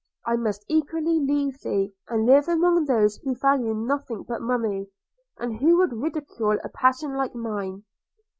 I must equally leave thee, and live among those who value nothing but money, and who would ridicule a passion like mine.'